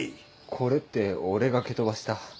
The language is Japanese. これって俺が蹴飛ばした。